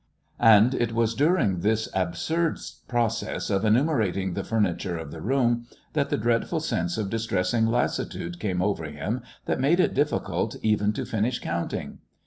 And it was during this absurd process of enumerating the furniture of the room that the dreadful sense of distressing lassitude came over him that made it difficult even to finish counting.